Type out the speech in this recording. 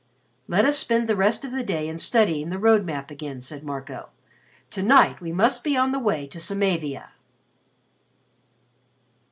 "Let us spend the rest of the day in studying the road map again," said Marco. "To night we must be on the way to Samavia!"